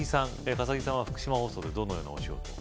笠置さんは福島放送でどのようなお仕事を？